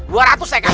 dua ratus saya kasih